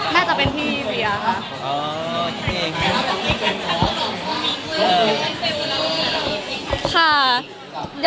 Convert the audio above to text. น่าจะเป็นพี่เบียร์